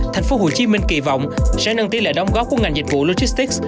thành phố hồ chí minh kỳ vọng sẽ nâng tỷ lệ đóng góp của ngành dịch vụ logistics